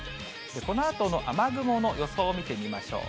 このあとの雨雲の予想を見てみましょう。